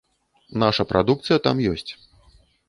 Наша прадукцыя там ёсць.